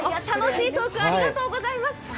楽しいトークありがとうございます。